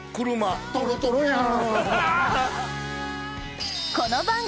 トロトロやん。